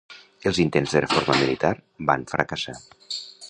Els intents de reforma militar van fracassar.